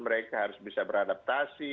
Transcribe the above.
mereka harus bisa beradaptasi